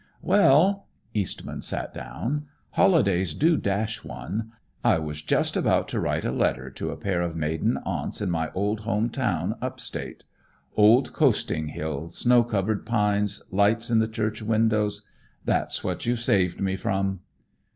"Well" Eastman sat down "holidays do dash one. I was just about to write a letter to a pair of maiden aunts in my old home town, up state; old coasting hill, snow covered pines, lights in the church windows. That's what you've saved me from."